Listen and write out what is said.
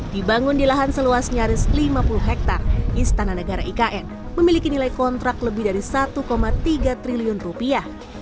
dibangun di lahan seluas nyaris lima puluh hektare istana negara ikn memiliki nilai kontrak lebih dari satu tiga triliun rupiah